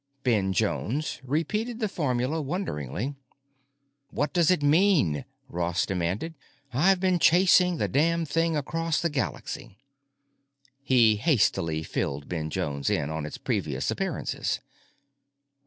Ben Jones repeated the formula wonderingly. "What does it mean?" Ross demanded. "I've been chasing the damned thing across the Galaxy." He hastily filled Ben Jones in on its previous appearances.